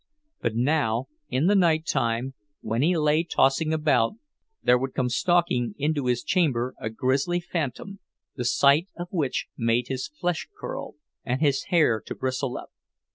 But now, in the nighttime, when he lay tossing about, there would come stalking into his chamber a grisly phantom, the sight of which made his flesh curl and his hair to bristle up.